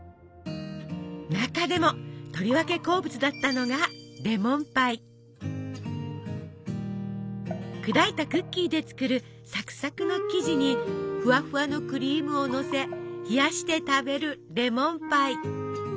中でもとりわけ好物だったのが砕いたクッキーで作るサクサクの生地にふわふわのクリームをのせ冷やして食べるレモンパイ。